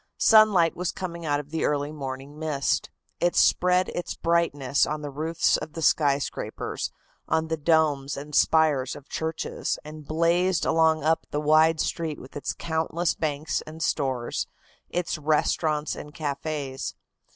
Sunlight was coming out of the early morning mist. It spread its brightness on the roofs of the skyscrapers, on the domes and spires of churches, and blazed along up the wide street with its countless banks and stores, its restaurants and cafes.